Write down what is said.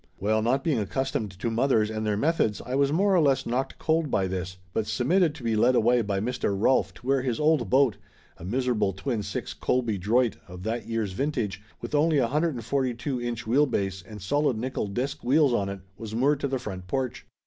Well, not being accustomed to mothers and their methods, I was more or less knocked cold by this, but submitted to be led away by Mr. Rolf to where his old boat a miserable twin six Colby Droit of that year's vintage, with only a hundred and forty two inch wheel base and solid nickel disk wheels on it was moored to the front porch.